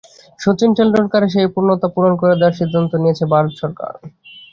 শচীন টেন্ডুলকারের সেই অপূর্ণতাও পূরণ করে দেওয়ার সিদ্ধান্ত নিয়েছে ভারত সরকার।